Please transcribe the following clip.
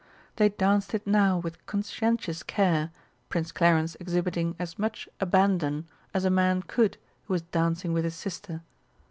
They danced it now with conscientious care, Prince Clarence exhibiting as much abandon as a man could who was dancing with his sister.